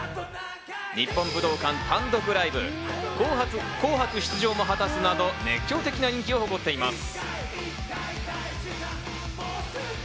日本武道館単独ライブ、『紅白』出場も果たすなど熱狂的な人気を誇っています。